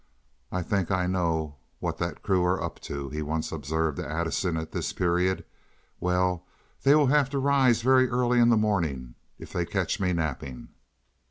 "I think I know what that crew are up to," he once observed to Addison, at this period. "Well, they will have to rise very early in the morning if they catch me napping."